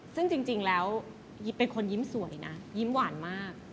ซึ่งจริงแล้วยิบเป็นคนยิ้มสวยนะยิ้มหวานมาก